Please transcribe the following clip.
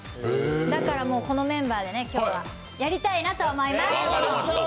だからこのメンバーで今日はやりたいなと思います。